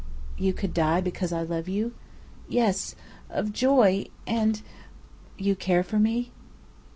"You could die because I love you?" "Yes, of joy and " "You care for me?"